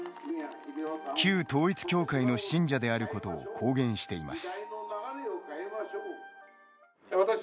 旧統一教会の信者であることを公言しています。